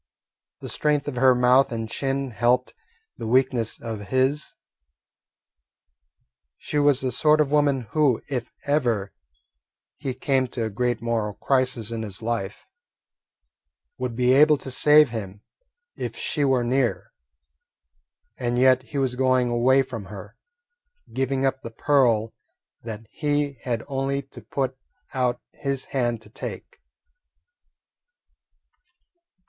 The strength of her mouth and chin helped the weakness of his. She was the sort of woman who, if ever he came to a great moral crisis in his life, would be able to save him if she were near. And yet he was going away from her, giving up the pearl that he had only to put out his hand to take.